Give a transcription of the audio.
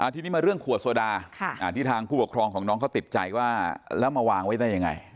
ทีนี้มาเรื่องขวดโซดาที่ทางผู้ปกครองของน้องเขาติดใจว่าแล้วมาวางไว้ได้ยังไง